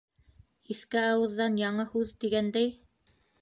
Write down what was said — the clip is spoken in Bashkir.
Иҫке ауыҙҙан яңы һүҙ, тигәндәй...